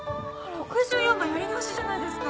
６４番やり直しじゃないですか。